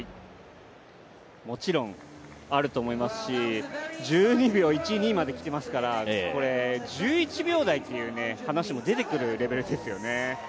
もちろんあると思いますし、１２秒１２まできていますから、１１秒台という話も出てくるレベルですよね。